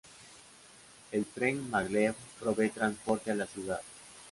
El tren Maglev provee transporte a la ciudad.